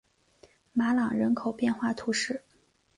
马朗人口变化图示